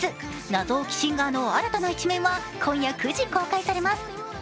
謎多きシンガーの新たな一面は今夜９時公開されます。